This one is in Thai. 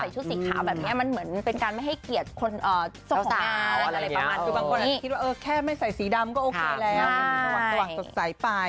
คือฉันก็มีโอกาสได้ดูไลฟ์หน้าว่าน้องเจนิสนะ